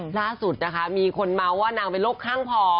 ล่าสุดนะคะมีคนเมาส์ว่านางเป็นโรคข้างพอ